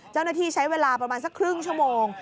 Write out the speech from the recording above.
เจ้าหน้าที่ใช้เวลาประมาณสักครึ่งชั่วโมง